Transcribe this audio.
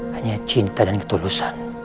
hanya cinta dan ketulusan